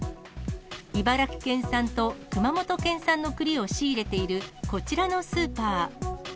茨城県産と熊本県産の栗を仕入れている、こちらのスーパー。